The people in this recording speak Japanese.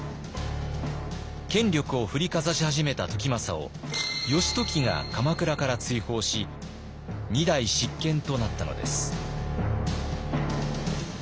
権力を振りかざし始めた時政を義時が鎌倉から追放し２代執権となったのです。